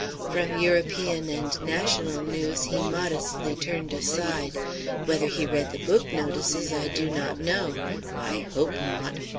From European and national news he modestly turned aside. Whether he read the book notices I do not know; I hope not.